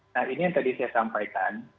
nah ini yang tadi saya sampaikan